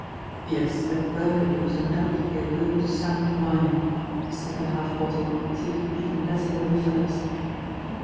res, that burgundy was undoubtedly a irood «.und wme, the second half bottle seemed to be even better than the first.